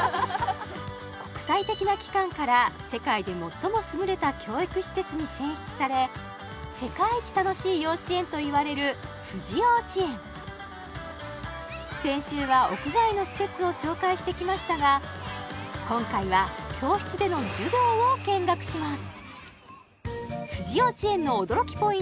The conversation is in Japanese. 国際的な機関から世界で最も優れた教育施設に選出され世界一楽しい幼稚園といわれるふじようちえん先週は屋外の施設を紹介してきましたが今回は教室での授業を見学します